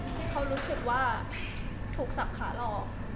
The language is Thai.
ที่เขารู้สึกว่าถูกสับขาหลอก